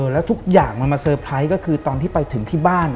แล้วทุกอย่างมันมาเตอร์ไพรส์ก็คือตอนที่ไปถึงที่บ้าน